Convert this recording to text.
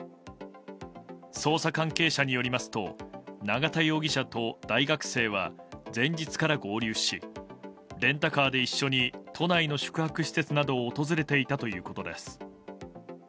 捜査関係者によりますと永田容疑者と大学生は前日から合流しレンタカーで一緒に都内の宿泊施設などを訪れていたということです。